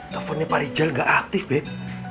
teleponnya pak rijal gak aktif beb